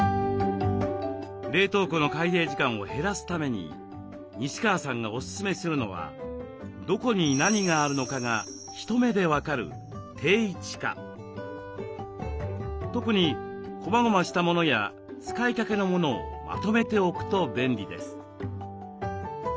冷凍庫の開閉時間を減らすために西川さんがおすすめするのはどこに何があるのかが一目で分かる特にこまごましたものや使いかけのものをまとめておくと便利です。